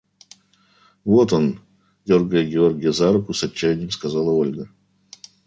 – Вот он! – дергая Георгия за руку, с отчаянием сказала Ольга.